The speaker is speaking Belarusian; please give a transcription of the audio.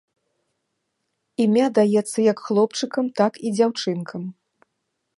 Імя даецца як хлопчыкам, так і дзяўчынкам.